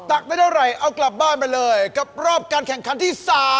ตักได้เท่าไหร่เอากลับบ้านไปเลยกับรอบการแข่งขันที่๓